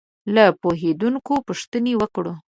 له پوهېدونکو پوښتنې وکړو.